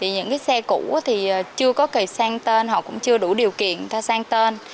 những cái xe cũ thì chưa có kỳ sang tên họ cũng chưa đủ điều kiện sang tên